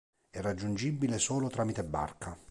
È raggiungibile solo tramite barca.